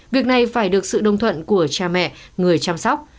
việc này phải được sự đồng thuận của cha mẹ người chăm sóc